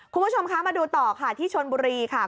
คุณผู้ชมคะมาดูต่อค่ะที่ชนบุรีค่ะ